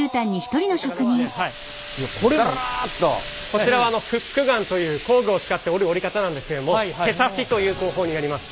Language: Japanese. こちらはフックガンという工具を使って織る織り方なんですけども手刺しという工法になります。